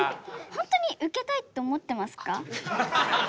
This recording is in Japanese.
本当にウケたいって思ってますか？